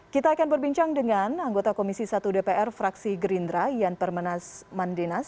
kita akan berbincang dengan anggota komisi satu dpr fraksi gerindra yan permenas mandinas